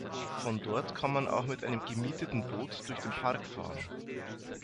Von dort kann man auch mit einem gemieteten Boot durch den Park fahren.